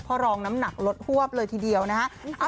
พ่อรองน้ำหนักลดหวบเลยทีเดียวนะครับ